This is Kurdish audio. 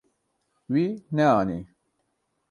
Wî neanî.